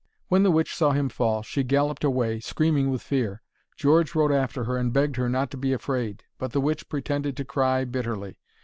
When the witch saw him fall, she galloped away, screaming with fear. George rode after her and begged her not to be afraid, but the witch pretended to cry bitterly.